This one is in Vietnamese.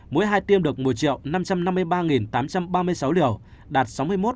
mũi hai tiêm được một năm trăm năm mươi ba tám trăm ba mươi sáu liều đạt sáu mươi một chín mươi năm